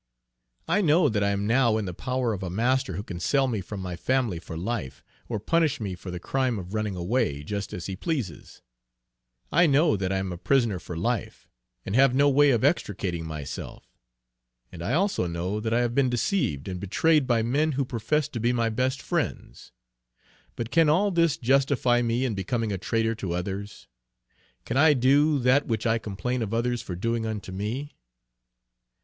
I know that I am now in the power of a master who can sell me from my family for life, or punish me for the crime of running away, just as he pleases: I know that I am a prisoner for life, and have no way of extricating myself; and I also know that I have been deceived and betrayed by men who professed to be my best friends; but can all this justify me in becoming a traitor to others? Can I do that which I complain of others for doing unto me?